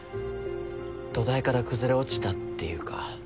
土台から崩れ落ちたっていうか。